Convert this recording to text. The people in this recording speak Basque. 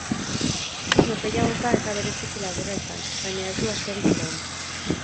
Norgehiagoka ez da bereziki laburra izan, baina ez du askorik iraun.